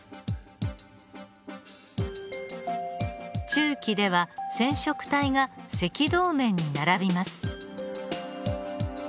中期では染色体が赤道面に並びます。